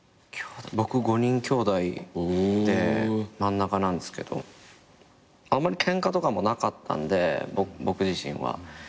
僕５人きょうだいで真ん中なんですけどあまりケンカとかもなかったんで僕自身は。